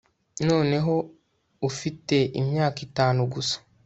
noneho ufite imyaka itanu gusa